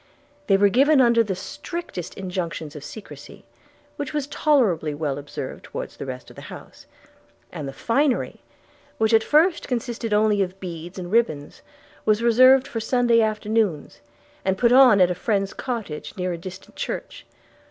They were given under the strictest injunctions of secrecy, which was tolerably well observed towards the rest of the house; and the finery, which at first consisted only of beads and ribbands was reserved for Sunday afternoons, and put on at a friend's cottage near a distant church.